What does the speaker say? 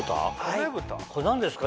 これ何ですか？